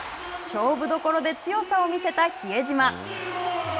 勝負どころで強さを見せた比江島。